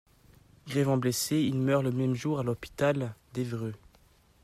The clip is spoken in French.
Grièvement blessé, il meurt le même jour à l'hôpital d'Évreux.